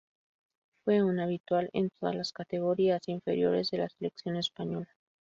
Fue un habitual en todas las categorías inferiores de la selección española.